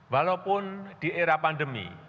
walaupun di era pandemi